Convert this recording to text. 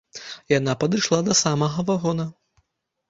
Яна падышла да самага вагона.